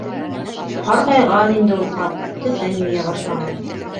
Һарғайған инде ул хат, төҫөн юя башлаған.